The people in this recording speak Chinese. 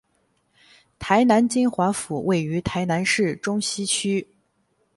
台南金华府位于台南市中西区。